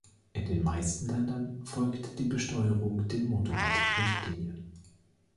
In den meisten Ländern folgt die Besteuerung den Motorradrichtlinien.